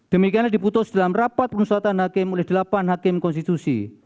demikian diputus dalam rapat permusatan hakim oleh delapan hakim konstitusi